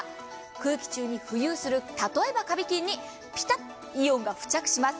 空気中に浮遊する例えばカビ菌にピタッとイオンが付着します。